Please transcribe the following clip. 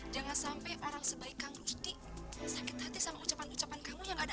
jangan sampai orang sebaik kang rusdi sakit hati sama ucapan ucapan kamu yang ada